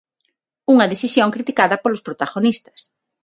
Unha decisión criticada polos protagonistas.